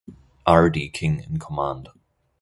R. D. King in command.